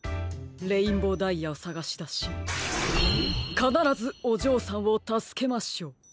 レインボーダイヤをさがしだしかならずおじょうさんをたすけましょう。